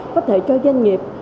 có thể cho doanh nghiệp